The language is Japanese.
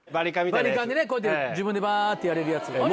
バリカンでねこうやって自分でバってやれるやつ。